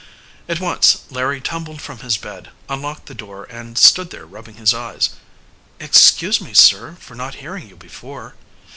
At once Larry tumbled from his bed, unlocked the door and stood there rubbing his eyes. "Excuse me, Sir, for not hearing you before."